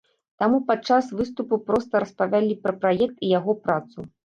Таму падчас выступу проста распавялі пра праект і яго працу.